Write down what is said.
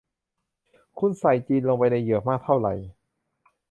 คุณใส่จินลงไปในเหยือกมากเท่าไร